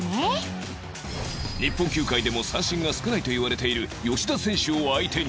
日本球界でも三振が少ないといわれている吉田選手を相手に